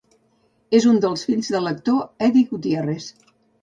És un dels fills de l'actor Eddie Gutiérrez.